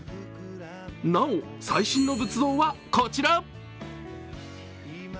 なお、最新の仏像はこちら。